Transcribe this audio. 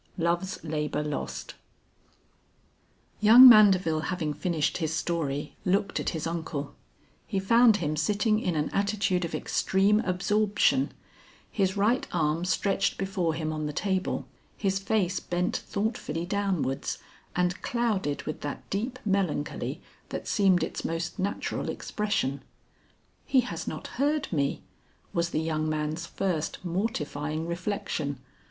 LOVES LABOR LOST. Young Mandeville having finished his story, looked at his uncle. He found him sitting in an attitude of extreme absorption, his right arm stretched before him on the table, his face bent thoughtfully downwards and clouded with that deep melancholy that seemed its most natural expression, "He has not heard me," was the young man's first mortifying reflection.